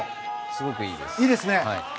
すごくいいです。